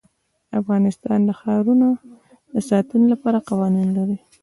افغانستان د ښارونه د ساتنې لپاره قوانین لري.